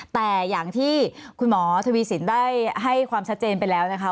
แต่อย่างที่คุณหมอทวีสินได้ให้ความชัดเจนไปแล้วนะคะ